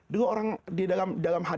dulu orang di dalam